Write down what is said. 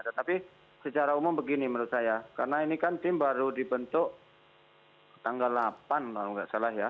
tetapi secara umum begini menurut saya karena ini kan tim baru dibentuk tanggal delapan kalau nggak salah ya